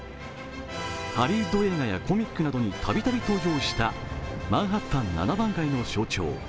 ハリウッド映画やコミックなどに度々登場したマンハッタン７番街の象徴。